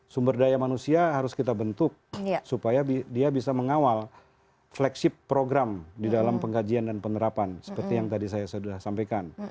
sumber daya manusia harus kita bentuk supaya dia bisa mengawal flagship program di dalam pengkajian dan penerapan seperti yang tadi saya sudah sampaikan